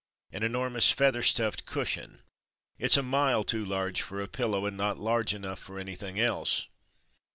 An enormous feather stufifed cushion — it's a mile too large for a pillow, and not large enough for anything else.